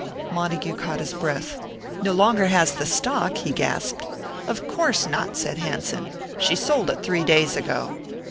Montague caught his breath. "No longer has the stock!" he gasped. "Of course not," said Hanson. "She sold it three days ago."